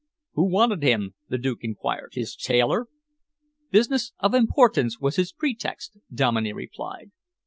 "Who wanted him?" the Duke enquired. "His tailor?" "Business of importance was his pretext," Dominey replied.